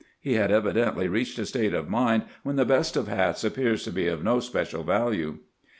He bad evidently reacbed a state of mind wben tbe best of bats appears to be of no special value.